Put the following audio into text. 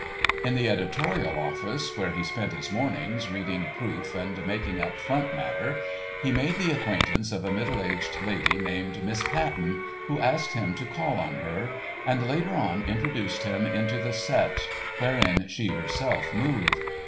In the editorial office, where he spent his mornings reading proof and making up "front matter," he made the acquaintance of a middle aged lady, named Miss Patten, who asked him to call on her, and later on introduced him into the "set" wherein she herself moved.